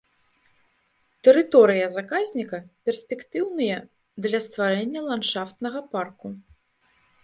Тэрыторыя заказніка перспектыўныя для стварэння ландшафтнага парку.